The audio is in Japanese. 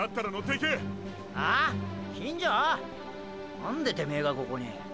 なんでてめェがここに。